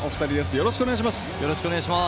よろしくお願いします。